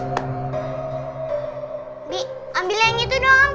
aku harus bikin perhitungan sama reva